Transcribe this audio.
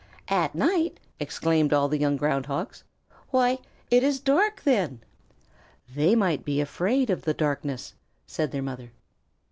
"At night!" exclaimed all the young Ground Hogs. "Why, it is dark then!" "They might be afraid of the darkness," said their mother.